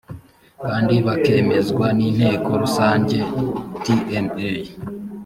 kandi bakemezwa n inteko rusange dma